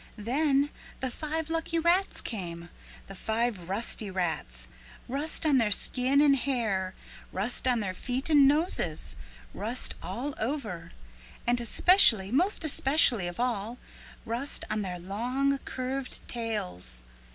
"'Then the five lucky rats came, the five rusty rats, rust on their skin and hair, rust on their feet and noses, rust all over, and especially, most especially of all, rust on their long curved tails.